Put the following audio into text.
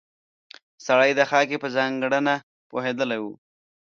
سړی د خاکې په ځانګړنه پوهېدلی و.